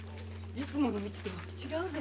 いつもの道と違うぜ。